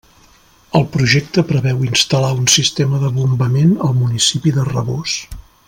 El Projecte preveu instal·lar un sistema de bombament al municipi de Rabós.